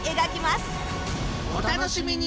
お楽しみに！